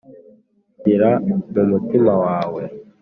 Nshyira mu mutima wawe,